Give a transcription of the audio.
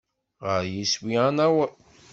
Ɣer yiswi ad naweḍ.